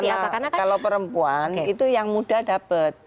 justru karena kalau perempuan itu yang muda dapat